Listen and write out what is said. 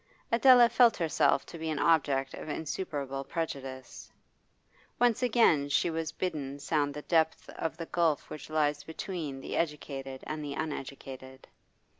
Adela felt herself to be an object of insuperable prejudice. Once again she was bidden sound the depth of the gulf which lies between the educated and the uneducated.